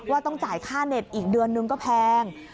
ว่าต้องจ่ายค่าเน็ตอีกเดือนนึงก็แพง